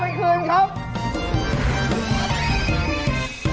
โปรดติดตามตอนต่อไป